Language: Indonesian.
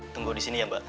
tunggu disini ya mbak